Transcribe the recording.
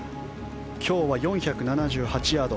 今日は４７８ヤード。